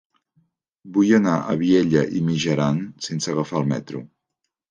Vull anar a Vielha e Mijaran sense agafar el metro.